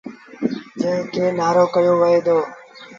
جݩهݩ کي نآرو ڪهيو وهي دو۔